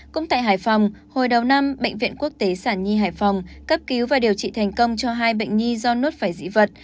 cũng tại hải phòng hồi đầu năm bệnh viện quốc tế sản nhi hải phòng cấp cứu và điều trị thành công cho hai bệnh nhi do nốt phải dị vật